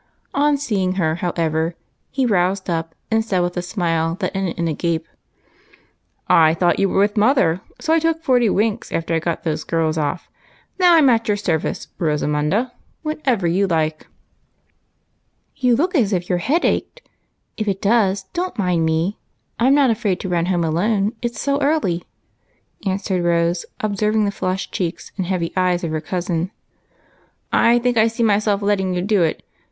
On seeing her, how ever, he roused up and said with a smile that ended in a gape, —" I thought you were with mother, so I took forty winks after I got those girls off. Now, I 'm at your service, Rosamunda, whenever you like." " You look as if your head ached. If it does, don't mind me. I 'm not afraid to run home alone, it 's so early," answered Rose, observing the flushed cheeks nnd heavy eyes of her cousin. " I think I see myself letting you do it.